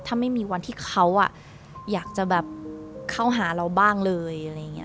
ถ้าไม่มีวันที่เขาอยากจะเข้าหาเราบ้างเลย